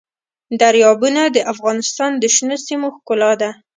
دریابونه د افغانستان د شنو سیمو ښکلا ده.